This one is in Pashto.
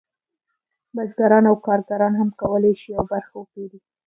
بزګران او کارګران هم کولی شي یوه برخه وپېري